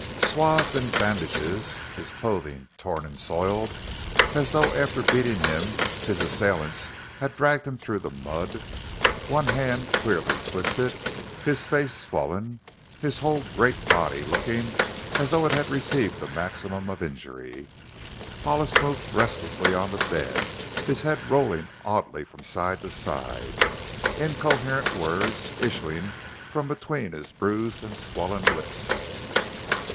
Swathed in bandages, his clothing torn and soiled as though after beating him his assailants had dragged him through the mud one hand queerly twisted, his face swollen, his whole great body looking as though it had received the maximum of injury, Hollis moved restlessly on the bed, his head rolling oddly from side to side, incoherent words issuing from between his bruised and swollen lips.